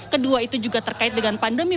kedua itu juga terkait dengan pandemi